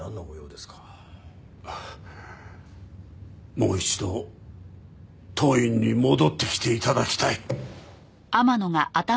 もう一度当院に戻ってきて頂きたい！